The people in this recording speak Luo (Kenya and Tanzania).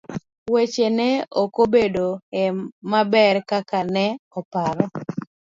Weche ne okobedo ne maber kaka ne oparo.